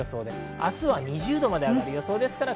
明日は２０度まで上がる予想です。